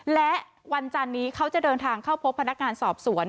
และวันจันนี้เขาจะเดินทางเข้าพบพนักงานสอบสวน